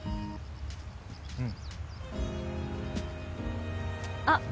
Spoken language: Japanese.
うんあっ